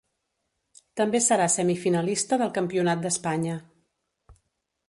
També serà semifinalista del Campionat d'Espanya.